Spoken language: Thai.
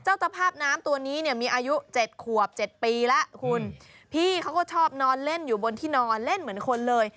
ตะภาพน้ำตัวนี้เนี่ยมีอายุเจ็ดขวบเจ็ดปีแล้วคุณพี่เขาก็ชอบนอนเล่นอยู่บนที่นอนเล่นเหมือนคนเลย